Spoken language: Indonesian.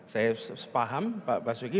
saya paham pak suki